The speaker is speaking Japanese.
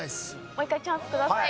もう一回チャンスください。